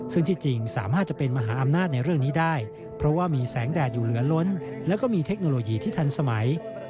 ซึ่งที่จริงสามารถจะเป็นมหาอำนาจในเรื่องนี้ได้เพราะว่ามีแสงแดดอยู่เหลือล้นแล้วก็มีเทคโนโลยีที่ทันสมัย